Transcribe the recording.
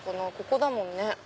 ここだもんね